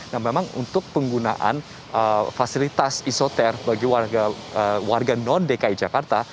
nah memang untuk penggunaan fasilitas isoter bagi warga non dki jakarta